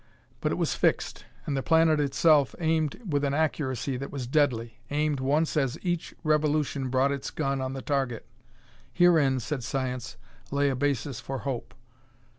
But it was fixed, and the planet itself aimed with an accuracy that was deadly; aimed once as each revolution brought its gun on the target. Herein, said science, lay a basis for hope.